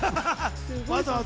わざわざ？